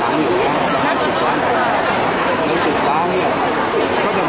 อาหรับเชี่ยวจามันไม่มีควรหยุด